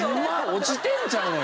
落ちてんちゃうの？